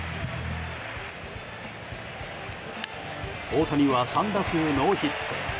大谷は３打数ノーヒット。